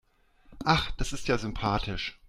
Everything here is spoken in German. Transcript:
Ach, das ist ja sympathisch.